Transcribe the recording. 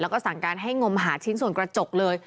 แล้วก็สั่งการให้งมหาชิ้นส่วนกระจกเลย